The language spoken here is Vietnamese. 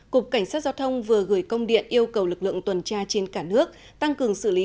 cục cảnh sát giao thông vừa gửi công điện yêu cầu lực lượng tuần tra trên cả nước tăng cường xử lý